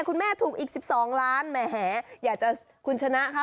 คุณแม่ถูกอีก๑๒ล้านแหมอยากจะคุณชนะค่ะ